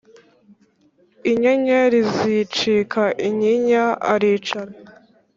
inyeri zicika inyinya aracira